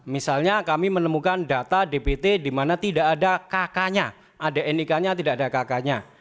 misalnya kami menemukan data dpt di mana tidak ada kk nya ada nik nya tidak ada kk nya